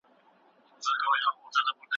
دا پلان تر هغه پلان غوره دی.